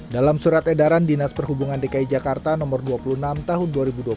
dalam surat edaran dinas perhubungan dki jakarta nomor dua puluh enam tahun dua ribu dua puluh